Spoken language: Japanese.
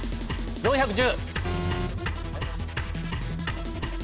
４１０。